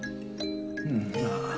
うんまあ